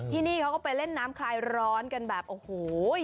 ที่นี่เขาก็ไปเล่นน้ำคลายร้อนกันแบบโอ้โห